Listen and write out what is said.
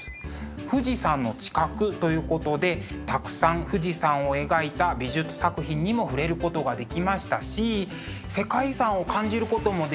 富士山の近くということでたくさん富士山を描いた美術作品にも触れることができましたし世界遺産を感じることもできたし。